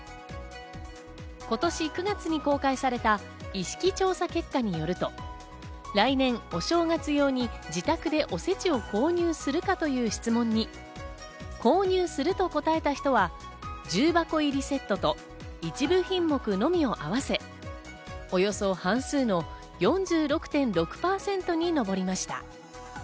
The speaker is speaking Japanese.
今年９月に公開された意識調査結果によると、来年お正月用に自宅でおせちを購入するか？という質問に、購入すると答えた人は重箱入セットと一部品目のみを合わせおよそ半数の４６．６％に上りました。